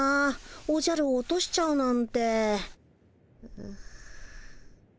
おじゃるを落としちゃうなんて。